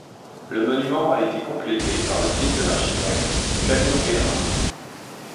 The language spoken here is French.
Le monument a été complété par le fils de l'architecte, Camillo Guerra.